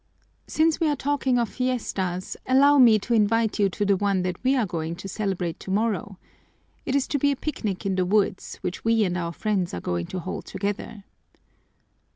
"Since we are talking of fiestas, allow me to invite you to the one that we are going to celebrate tomorrow. It is to be a picnic in the woods, which we and our friends are going to hold together."